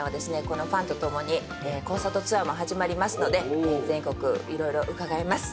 この『ＦＵＮ』とともにコンサートツアーも始まりますので全国いろいろ伺います。